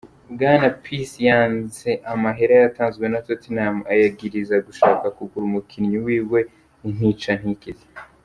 Bwana Peace yanse amahera yatanzwe na Tottenham, ayagiriza gushaka kugura umukinyi wiwe intica ntikize.